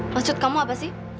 maksud kamu apa sih